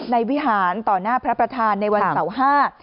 วิหารต่อหน้าพระประธานในวันเสาร์ห้า